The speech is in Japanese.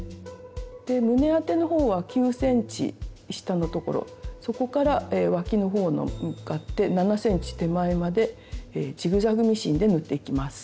で胸当てのほうは９ｃｍ下のところそこからわきのほうに向かって７ｃｍ手前までジグザグミシンで縫っていきます。